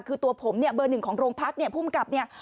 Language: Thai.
คือตัวผมเนี่ยเบอร์หนึ่งของโรงพักเนี่ยภูมิกับเนี่ย